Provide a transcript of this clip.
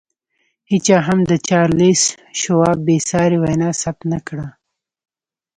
هېچا هم د چارلیس شواب بې ساري وینا ثبت نه کړه